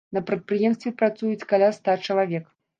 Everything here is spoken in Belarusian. На прадпрыемстве працуюць каля ста чалавек.